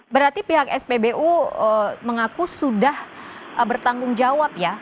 berarti pihak spbu mengaku sudah bertanggung jawab ya